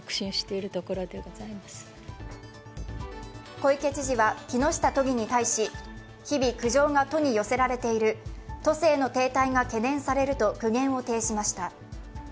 小池知事は木下都議に対し日々、苦情が都に寄せられている、都政の停滞が懸念されると苦言を呈しました。